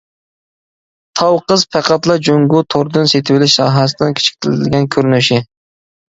«تاۋ قىز» پەقەتلا جۇڭگو توردىن سېتىۋېلىش ساھەسىنىڭ كىچىكلىتىلگەن كۆرۈنۈشى.